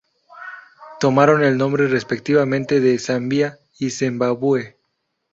Tomaron el nombre, respectivamente, de Zambia y Zimbabue.